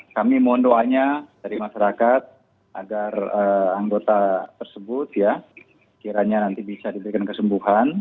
kami mohon doanya dari masyarakat agar anggota tersebut ya kiranya nanti bisa diberikan kesembuhan